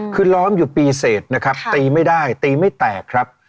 คือล้อมอยู่ปีเสร็จนะครับตีไม่ได้ตีไม่แตกครับ